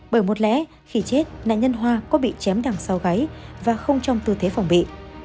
bởi một lẽ khi chết nạn nhân hoa có bị chém đằng sau gáy và không trong tư thế phòng bị